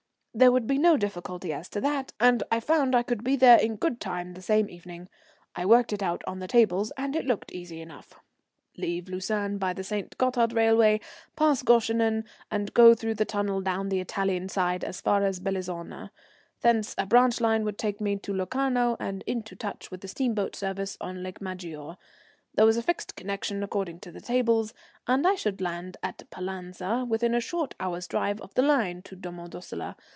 There would be no difficulty as to that, and I found I could be there in good time the same evening. I worked it out on the tables and it looked easy enough. Leave Lucerne by the St. Gothard railway, pass Goeschenen, and go through the tunnel down the Italian side as far as Bellizona. Thence a branch line would take me to Locarno and into touch with the steamboat service on Lake Maggiore. There was a fixed connection according to the tables, and I should land at Pallanza within a short hour's drive of the line to Domo Dossola.